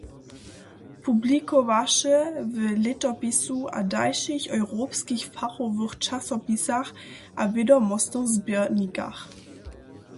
Publikowaše w Lětopisu a dalšich europskich fachowych časopisach a wědomostnych zběrnikach.